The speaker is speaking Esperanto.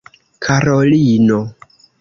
Karolino!